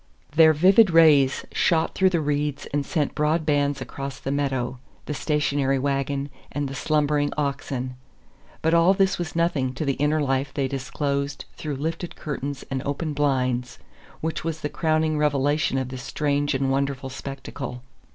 Their vivid rays shot through the reeds and sent broad bands across the meadow, the stationary wagon, and the slumbering oxen. But all this was nothing to the inner life they disclosed through lifted curtains and open blinds, which was the crowning revelation of this strange and wonderful spectacle.